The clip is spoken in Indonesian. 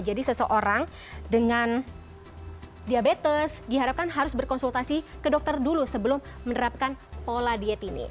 jadi seseorang dengan diabetes diharapkan harus berkonsultasi ke dokter dulu sebelum menerapkan pola diet ini